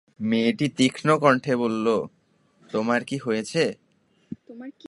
মেয়েটি তীক্ষ্ণ কণ্ঠে বলল, তোমার কী হয়েছে।